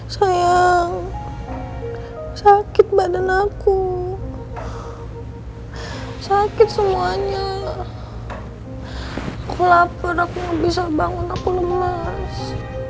sayang sakit badan aku sakit semuanya aku lapar aku bisa bangun aku lemes